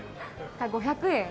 ５００円。